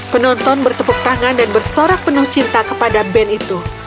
penonton bertepuk tangan dan bersorak penuh cinta kepada band itu